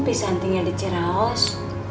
bisa tinggal di ciraos